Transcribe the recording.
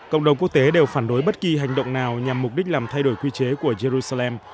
cộng đồng quốc tế đều phản đối bất kỳ hành động nào nhằm mục đích làm thay đổi quy chế của jerusalem